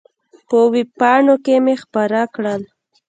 په وېب پاڼو کې مې خپره کړه.